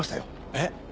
えっ？